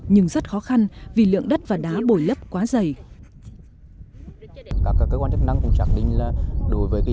nhưng rất khó khăn vì lượng đất và đá bồi lấp quá dày